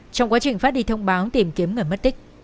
trong quá trình phát đi thông báo tìm kiếm người mất tích